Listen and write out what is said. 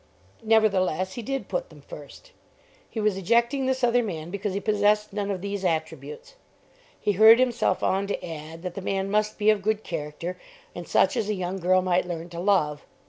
Nevertheless he did put them first. He was ejecting this other man because he possessed none of these attributes. He hurried himself on to add that the man must be of good character, and such as a young girl might learn to love.